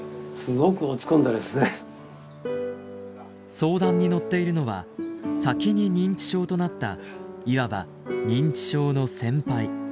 相談に乗っているのは先に認知症となったいわば認知症の先輩。